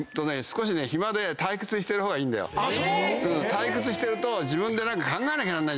退屈してると自分で何か考えなきゃなんない。